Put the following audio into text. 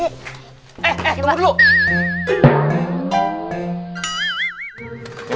eh eh tunggu dulu